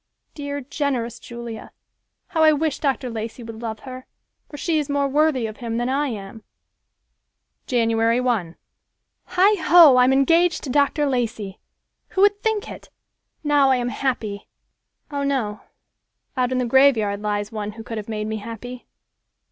Dear, generous Julia, how I wish Dr. Lacey would love her, for she is more worthy of him than I am." Jan. 1—"Heigh ho, I'm engaged to Dr. Lacey! Who would think it? Now I am happy! Oh, no. Out in the graveyard lies one who could have made me happy.